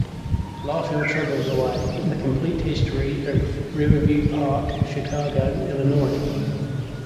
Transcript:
"Laugh your troubles away : The complete history of Riverview Park, Chicago, Illinois".